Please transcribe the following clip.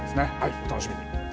お楽しみに。